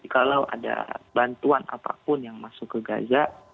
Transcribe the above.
kalau ada bantuan apapun yang masuk ke gaza